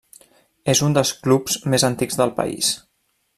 És un dels clubs més antics del país.